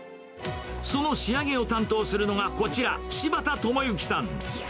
その仕上げを担当するのがこちら、柴田智之さん。